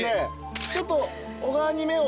ちょっと小川に目を。